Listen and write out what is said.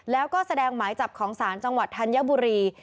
แล้วก็แสดงหมายจับของศาลจังหวัดธัญบุรี